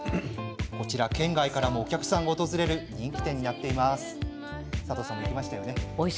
県外からもお客さんが訪れる人気店になっています。